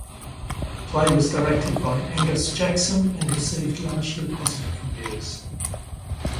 The play was directed by Angus Jackson and received largely positive reviews.